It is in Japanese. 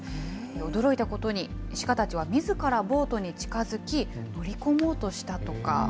驚いたことに、鹿たちはみずからボートに近づき、乗り込もうとしたとか。